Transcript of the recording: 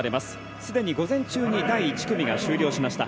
すでに午前中に第１組が終了しました。